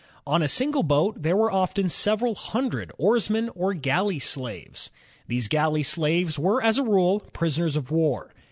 On a single boat there were often several hundred oarsmen or galley slaves. These galley slaves were as a rule prisoners of war.